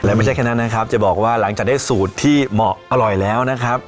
และไม่ใช่แค่นั้นนะครับจะบอกว่าหลังจากได้สูตรที่เหมาะอร่อยแล้วนะครับ